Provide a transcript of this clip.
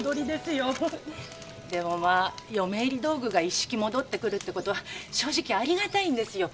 でもまあ嫁入り道具が一式戻ってくるってことは正直ありがたいんですよ。